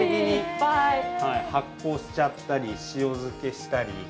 はい発酵しちゃったり塩漬けしたり。